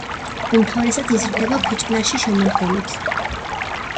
უმთავრესად იზრდება ფიჭვნარში შემოდგომით.